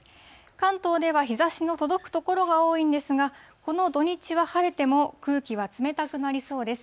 関東では日ざしの届く所が多いんですが、この土日は晴れても空気は冷たくなりそうです。